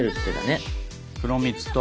黒蜜と。